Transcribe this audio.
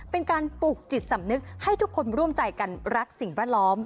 เป็นการปลูกจิตสำนึกให้ทุกคนร่วมใจกันรักสิ่งแวดล้อม